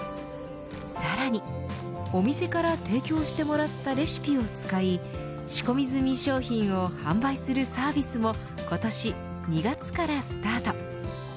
さらにお店から提供してもらったレシピを使い仕込み済み商品を販売するサービスも今年２月からスタート。